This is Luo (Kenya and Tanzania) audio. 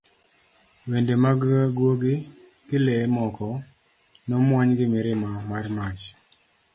wende mag gwogi gi le moko nomwony gi mirima mar mach